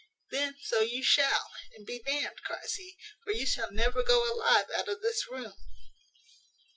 `Then so you shall, and be d nd!' cries he; `for you shall never go alive out of this room.'